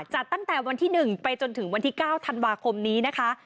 จัดตั้งแต่วันที่๑ไปจนถึงวันที่๙ธันวาคมนี้นะคะ